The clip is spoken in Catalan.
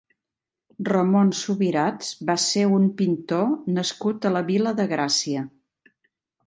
Ramon Subirats va ser un pintor nascut a la Vila de Gràcia.